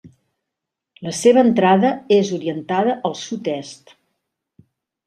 La seva entrada és orientada al sud-est.